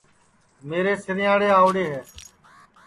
میرے سُِرئینٚئاڑے آؤڑے ہے